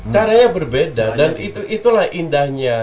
caranya berbeda dan itulah indahnya